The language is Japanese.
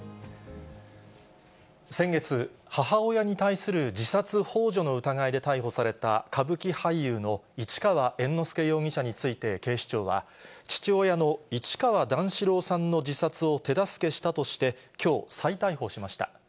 先月、母親に対する自殺ほう助の疑いで逮捕された歌舞伎俳優の市川猿之助容疑者について警視庁は、父親の市川段四郎さんの自殺を手助けしたとして、きょう、再逮捕しました。